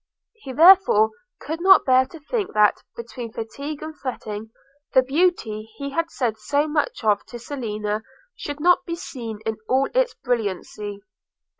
He, therefore, could not bear to think that, between fatigue and fretting, the beauty he had said so much of to Selina should not be seen in all its brilliancy.